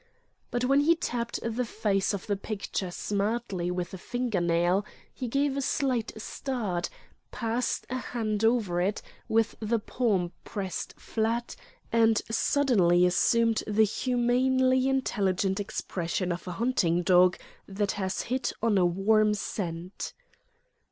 But when he tapped the face of the picture smartly with a finger nail, he gave a slight start, passed a hand over it with the palm pressed flat, and suddenly assumed the humanly intelligent expression of a hunting dog that has hit on a warm scent.